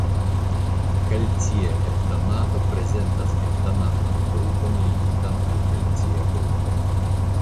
Kalcia heptanato prezentas heptanatan grupon ligitan al kalcia grupo.